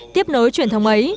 tiếp nối truyền thống ấy